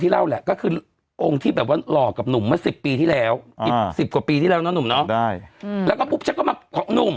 แล้วก็ปุ๊บฉันก็มาของหนุ่ม